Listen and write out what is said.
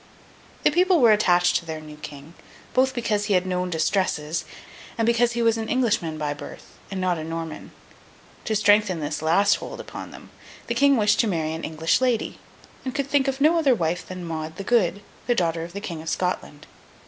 The people were attached to their new King, both because he had known distresses, and because he was an Englishman by birth and not a Norman. To strengthen this last hold upon them, the King wished to marry an English lady; and could think of no other wife than Maud the Good, the daughter of the King of Scotland.